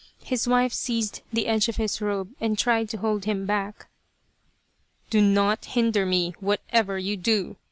His wife seized the edge of his robe and tried to hold him back. " Do not hinder me, whatever you do